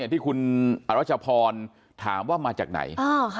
ที่คุณอรัชพรถามว่ามาจากไหน